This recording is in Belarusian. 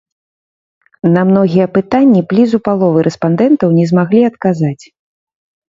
На многія пытанні блізу паловы рэспандэнтаў не змаглі адказаць.